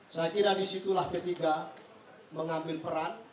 saya kira disitulah p tiga mengambil peran